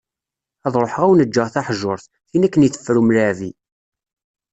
Ad ruḥeγ ad awen-ğğeγ taḥjurt, tin akken i teffer umlaԑbi.